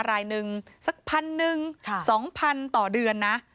รายหนึ่งสัก๑๐๐๐ส่วนหนึ่งสองพันต่อเดือนนะ